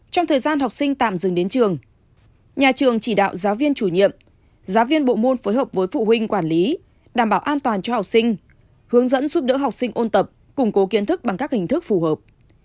trong thời gian học sinh tạm dừng đến trường nhà trường chỉ đạo giáo viên chủ nhiệm giáo viên bộ môn phối hợp với phụ huynh quản lý đảm bảo an toàn cho học sinh hướng dẫn giúp đỡ học sinh ôn tập củng cố kiến thức bằng các hình thức phù hợp